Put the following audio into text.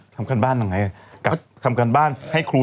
ทำการบ้านแหละไง